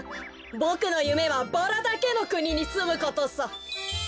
ボクのゆめはバラだけのくににすむことさ。